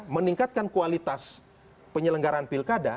meningkatkan kualitas penyelenggaran pilkada